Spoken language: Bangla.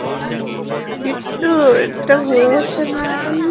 বিট্টু এটা ভালোবাসা না।